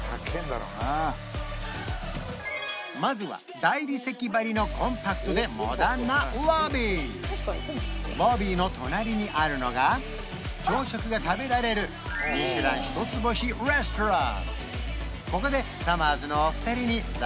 なまずは大理石ばりのコンパクトでモダンなロビーロビーの隣にあるのが朝食が食べられるミシュラン１つ星レストラン